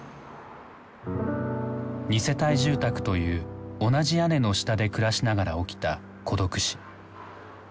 ２世帯住宅という同じ屋根の下で暮らしながら起きた孤独死。